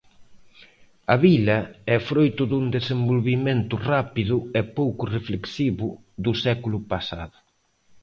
A vila é froito dun desenvolvemento rápido e pouco reflexivo do século pasado.